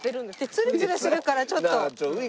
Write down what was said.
ツルツルするからちょっと。